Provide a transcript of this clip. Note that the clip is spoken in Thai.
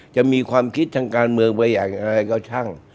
จะมีความคิดทางการเมืองไปอย่างไรก็ช่าง